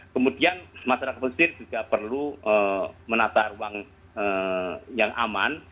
kemudian masyarakat mesir juga perlu menata ruang yang aman